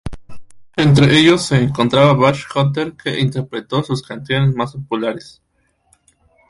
Entre ellos se encontraba Basshunter, que interpretó sus canciones más populares.